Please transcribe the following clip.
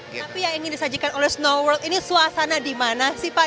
tapi yang ingin disajikan snow world ini suasana dimana sih pak